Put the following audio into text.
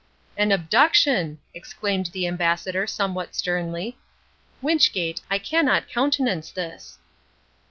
"An abduction!" exclaimed the Ambassador somewhat sternly. "Wynchgate, I cannot countenance this."